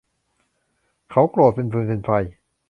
เขาโกรธเป็นฟืนเป็นไฟ